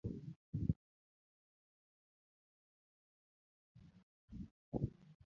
Mag dinde moko neno pek kuom timo somo